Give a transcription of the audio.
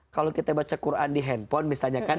kalau kita baca quran di handphone misalnya kan